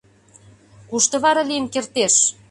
Кушто вара лийын кертеш?